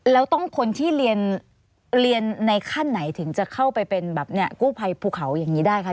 แล้วต้องคนที่เรียนในขั้นไหนถึงจะเข้าไปเป็นแบบเนี่ยกู้ภัยภูเขาอย่างนี้ได้คะ